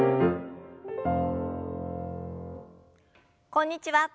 こんにちは。